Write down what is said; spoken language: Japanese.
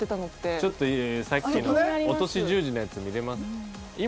ちょっとさっきの落とし十字のやつ見れます？